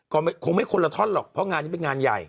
ก็คงไม่คนละท่อนหรอกเพราะงานนี้เป็นงานใหญ่